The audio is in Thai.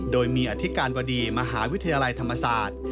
โดยมีอธิการบดีมหาวิทยาลัยธรรมศาสตร์